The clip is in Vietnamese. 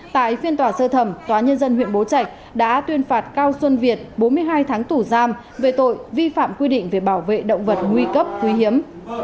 tại phiên tòa sơ thẩm tòa nhân dân huyện bố trạch đã tuyên phạt cao xuân việt bốn mươi hai tháng tù giam về tội vi phạm quy định về bảo vệ động vật nguy cấp quý hiếm